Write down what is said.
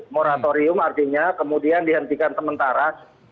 moratorium artinya kemudian dihentikan sementara